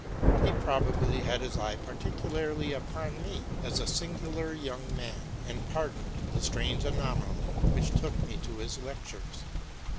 He probably had his eye particularly upon ine, as a singular young man, and pardoned the strange anomaly which took me to his lectures.